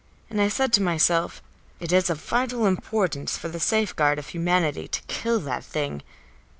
And I said to myself: "It is of vital importance for the safeguard of humanity to kill that thing."